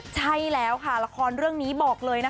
ใช่แล้วค่ะราการเรื่องนี้บอกเลยว่า